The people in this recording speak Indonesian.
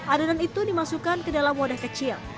adonan itu dimasukkan ke dalam wadah kecil